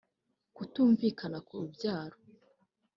Kutumvikana ku rubyaro